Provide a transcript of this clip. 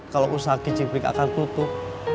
kalau usaha gcbrik akan tutup